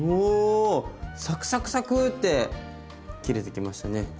サクサクサクって切れてきましたね。